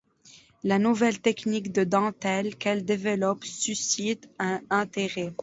La nouvelle technique de dentelle qu'elles développent suscite un intérêt.